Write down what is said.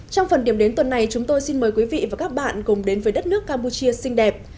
trong phần điểm đến tuần này chúng tôi xin mời quý vị và các bạn cùng đến với đất nước campuchia xinh đẹp